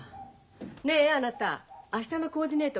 ねえあなた明日のコーディネート